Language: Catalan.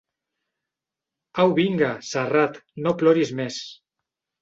Au vinga, Serrat, no ploris més.